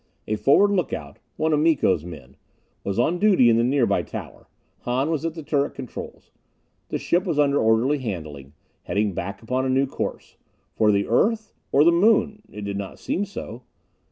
A forward lookout one of Miko's men was on duty in the nearby tower. Hahn was at the turret controls. The ship was under orderly handling, heading back upon a new course. For the Earth? Or the Moon? It did not seem so.